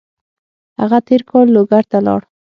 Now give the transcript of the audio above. هغه تېر کال لوګر ته لاړ.